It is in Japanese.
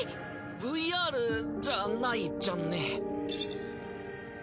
ＶＲじゃないじゃんね？